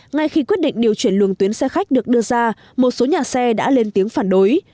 ngay khi quyết định điều chuyển luồng tuyến xe khách được đưa ra một số nhà xe đã lên tiếng phản đối